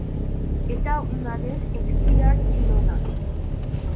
এটা উনাদের এখতিয়ারে ছিল না।